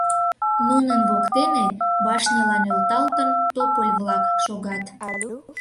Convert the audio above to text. Нунын воктене, башньыла нӧлталтын, тополь-влак шогат.